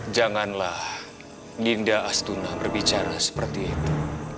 janganlah dinda astuna berbicara seperti itu